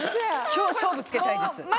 今日勝負つけたいです。